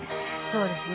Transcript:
そうですね。